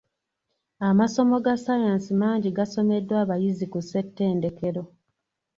Amasomo ga ssaayansi mangi gasomeddwa abayizi ku ssetendekero.